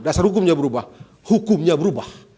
dasar hukumnya berubah hukumnya berubah